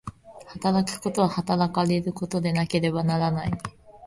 働くことは働かれることでなければならない。